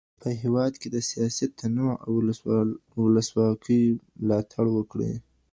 په هېواد کي د سیاسي تنوع او ولسواکۍ ملاتړ وکړئ.